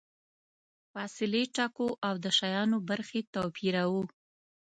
فاصلې ټاکو او د شیانو برخې توپیروو.